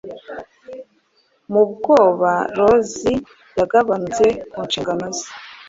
Mu bwoba Losi yagabanutse ku nshingano ze: